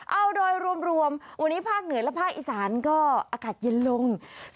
เอาโดยรวมวันนี้ภาคเหนือและภาคอีสานก็อากาศเย็นลง